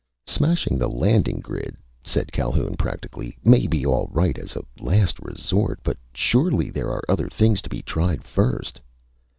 "Smashing the landing grid," said Calhoun practically, "may be all right as a last resort. But surely there are other things to be tried first!"